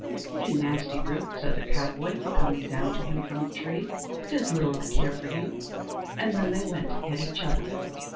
"You nasty brute," said the cowboy, coming down to him from the tree, "'tis little I care for you"; and then they went at each other.